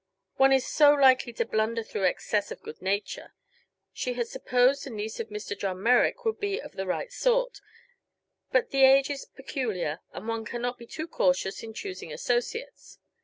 One is so likely to blunder through excess of good nature. She had supposed a niece of Mr. John Merrick would be of the right sort; but the age is peculiar, and one cannot be too cautious in choosing associates.